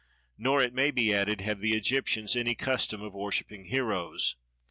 Nor, it may be added, have the Egyptians any custom of worshipping heroes.